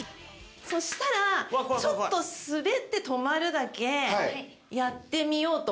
そしたらちょっと滑って止まるだけやってみようと思います。